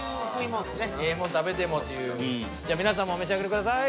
じゃ皆さんもお召し上がりください。